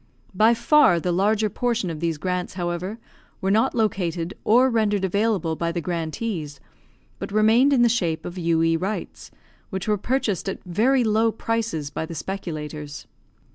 By far the larger portion of these grants, however, were not located or rendered available by the grantees, but remained in the shape of U.E. rights, which were purchased at very low prices by the speculators.